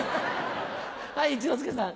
はい一之輔さん。